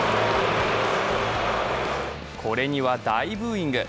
これには大ブーイング。